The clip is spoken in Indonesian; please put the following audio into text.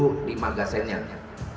dan kami menemukan tersisa sembilan peluru